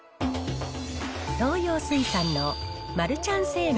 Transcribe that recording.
東洋水産のマルちゃん正麺